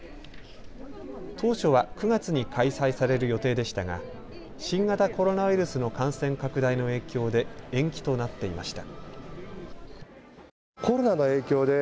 当初は９月に開催される予定でしたが新型コロナウイルスの感染拡大の影響で延期となっていました。